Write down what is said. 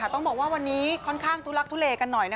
ต้องบอกว่าวันนี้ค่อนข้างทุลักทุเลกันหน่อย